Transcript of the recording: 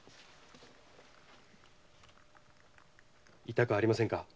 痛くありませんか？